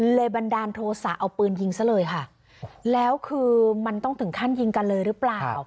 บันดาลโทษะเอาปืนยิงซะเลยค่ะแล้วคือมันต้องถึงขั้นยิงกันเลยหรือเปล่า